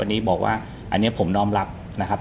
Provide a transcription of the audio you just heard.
อันนี้บอกว่าอันนี้ผมน้อมรับนะครับ